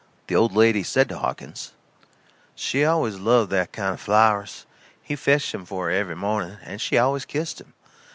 The old lady said to Hawkins: "She always loved that kind o' flowers. He fetched 'em for her every morning, and she always kissed him.